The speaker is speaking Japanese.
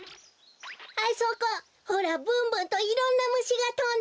あそこほらブンブンといろんなむしがとんでるわべ。